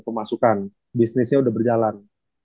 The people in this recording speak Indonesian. pemasukan bisnisnya udah berjalan